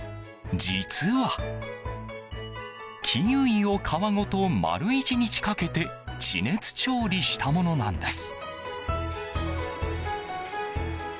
実はキウイを皮ごと丸１日かけて地熱調理したものなんです。